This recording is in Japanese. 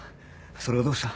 それがどうした。